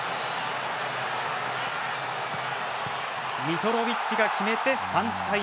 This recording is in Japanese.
ミトロビッチが決めて３対１。